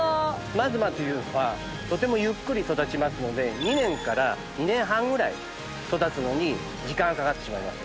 真妻というのはとてもゆっくり育ちますので２年から２年半ぐらい育つのに時間がかかってしまいます。